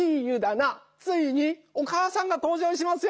ついにお母さんがとうじょうしますよ！